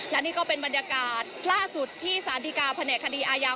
และนี่ก็เป็นบรรยากาศล่าสุดที่สารดีกาแผนกคดีอาญา